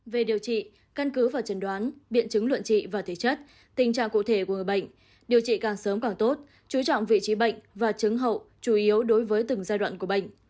về điều trị căn cứ và trần đoán biện chứng luận trị và thể chất tình trạng cụ thể của người bệnh điều trị càng sớm càng tốt chú trọng vị trí bệnh và chứng hậu chủ yếu đối với từng giai đoạn của bệnh